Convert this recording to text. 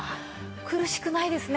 苦しくないですね！